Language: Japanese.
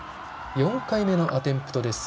４回目のアテンプトです。